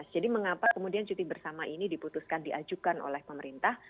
jadi mengapa kemudian cuti bersama ini diputuskan diajukan oleh pemerintah